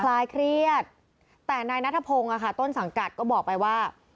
คล้ายเครียดแต่นายนัทพงศ์ต้นสังกัดก็บอกไปว่า